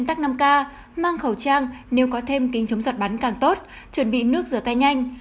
bằng ca mang khẩu trang nếu có thêm kính chống giọt bắn càng tốt chuẩn bị nước rửa tay nhanh